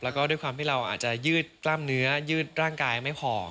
แล้วก็ด้วยความที่เราอาจจะยืดกล้ามเนื้อยืดร่างกายไม่พอ